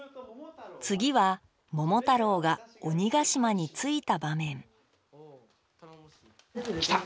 次は桃太郎が鬼ケ島に着いた場面来た！